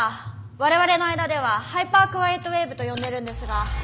我々の間では「ハイパークワイエットウェーブ」と呼んでるんですが。